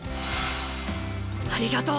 ありがとう瞬兄！